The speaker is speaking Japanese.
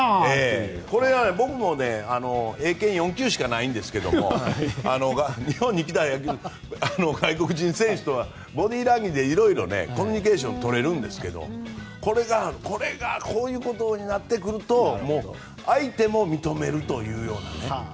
僕もね英検４級しかないんですけど日本に来た外国人選手とはボディーランゲージでいろいろコミュニケーションをとれるんですけどこれがこういうことになってくると相手も認めるというようなね。